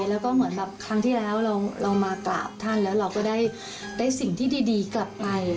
แล้วก็เหมือนครั้งที่แรกว่ามากราบถ้าเราก็ได้สิ่งที่กลับไป